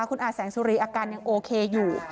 คุณอาแสงสุรีอาการยังโอเคอยู่